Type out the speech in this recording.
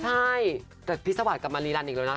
ใช่แต่พิสาวาสกับมารีรันด์อีกแล้วนะ